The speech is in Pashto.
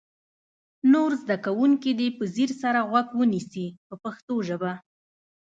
نور زده کوونکي دې په ځیر سره غوږ ونیسي په پښتو ژبه.